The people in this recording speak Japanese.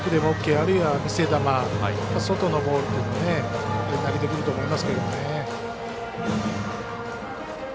あるいは見せ球やはり外のボールというのは投げてくると思いますけどね。